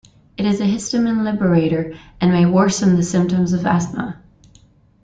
It is a histamine liberator, and may worsen the symptoms of asthma.